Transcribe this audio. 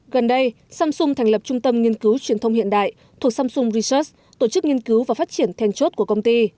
gần đây samsung thành lập trung tâm nghiên cứu truyền thông hiện đại thuộc samsung research tổ chức nghiên cứu và phát triển then chốt của công ty